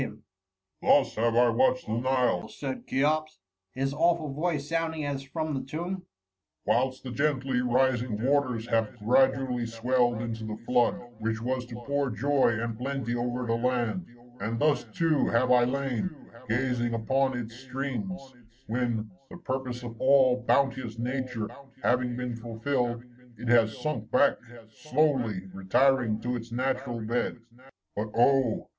THE IIUMMY. S99 '* Thus have I watched the Nile,^ said Cheops, his awful voice sounding as from the tomb, ^' whilst the gently rising waters have gradually swelled into the flood which was to pour joy and plaity over the land :— and thus, too, have I lain, gazing upon its streams, when, the purpose of all bounteous Nature having been fulfilled, it has sunk back, slowly retiring to its natural bed. But, oh